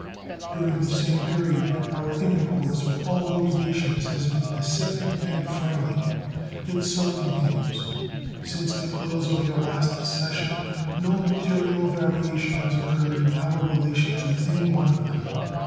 During the same period our intercourse with all those nations has been pacific and friendly; it so continues. Since the close of your last session no material variation has occurred in our relations with any one of them.